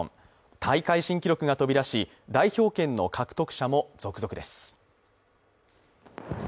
大会新記録が飛び出し、代表権の獲得者も続々です。